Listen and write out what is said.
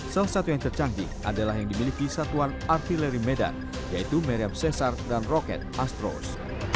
salah satu yang tercanggih adalah yang dimiliki satuan artileri medan yaitu meriam cesar dan roket astros